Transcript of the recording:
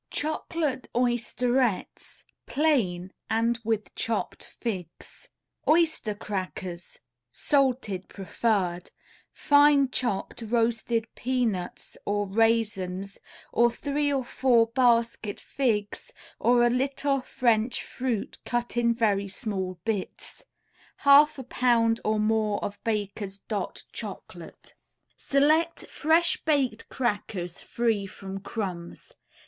CHOCOLATE OYSTERETTES, PLAIN AND WITH CHOPPED FIGS [Illustration: CHOCOLATE OYSTERETTES.] Oyster crackers, salted preferred, fine chopped, roasted peanuts or raisins or 3 or 4 basket figs or a little French fruit cut in very small bits, 1/2 a pound or more of Baker's "Dot" Chocolate. Select fresh baked crackers free from crumbs.